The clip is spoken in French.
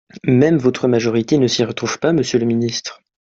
Même votre majorité ne s’y retrouve pas, monsieur le ministre.